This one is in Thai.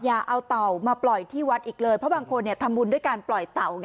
อย่าเอาเต่ามาปล่อยที่วัดอีกเลยเพราะบางคนทำบุญด้วยการปล่อยเต่าไง